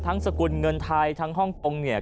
ทั้งสกุลเงินไทยทั้งห้องโปรงเนี่ย